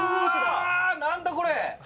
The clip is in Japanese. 何だこれ？